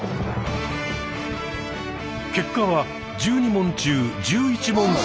結果は１２問中１１問正解。